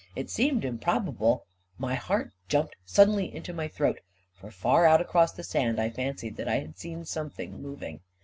It seemed improbable ... My heart jumped suddenly into my throat, for far out across the sand I fancied I had seen something moving.